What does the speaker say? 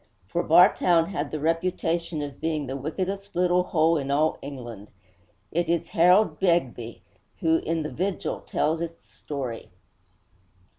For Bartown had the reputation of being 'the wickedest little hole in all England.' It is Harold Begbie who, in The Vigil, tells its story.